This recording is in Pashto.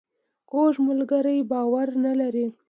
کوږ ملګری باور نه لري